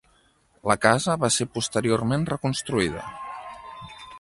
La casa va ser posteriorment reconstruïda.